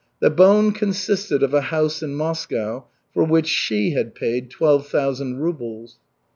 "The bone" consisted of a house in Moscow, for which she had paid twelve thousand rubles.